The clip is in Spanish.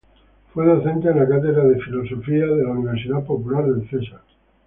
Fue docente de Cátedra en filosofía de la Universidad Popular del Cesar.